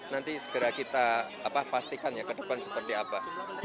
nanti segera kita pastikan ya ke depan seperti apa